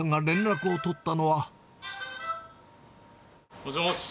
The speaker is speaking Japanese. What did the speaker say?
もしもし。